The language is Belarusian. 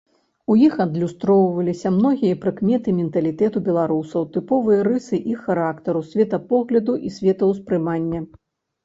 У іх адлюстроўваліся многія прыкметы менталітэту беларусаў, тыповыя рысы іх характару, светапогляду і светаўспрымання.